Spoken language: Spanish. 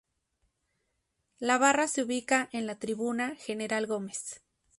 La barra se ubicaba en la Tribuna General Gómez.